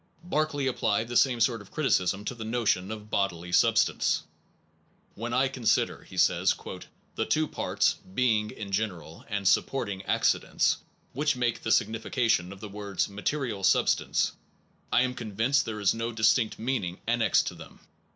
1 Berkeley applied the same sort of criticism to the notion of bodily substance. When I consider, he says, the two parts ("being" in general, and "supporting accidents") which make the signification of the words "material substance," I am convinced there is no distinct meaning annexed to them.